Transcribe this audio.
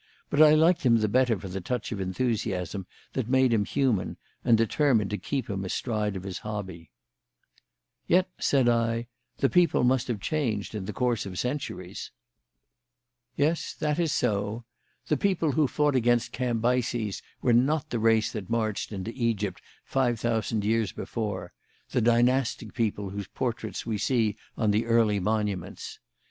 But I liked him the better for the touch of enthusiasm that made him human, and determined to keep him astride of his hobby. "Yet," said I, "the people must have changed in the course of centuries." "Yes, that is so. The people who fought against Cambyses were not the race that marched into Egypt five thousand years before the dynastic people whose portraits we see on the early monuments.